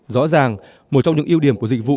rõ ràng một trong những ưu điểm của dịch vụ